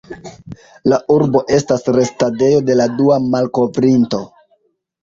La urbo estas restadejo de la dua malkovrinto.